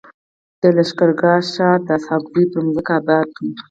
د لښکر ګاه ښار د اسحق زو پر مځکه اباد دی.